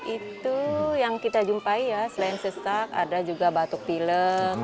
itu yang kita jumpai ya selain sesak ada juga batuk pileng